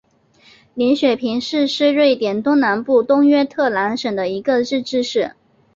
林雪平市是瑞典东南部东约特兰省的一个自治市。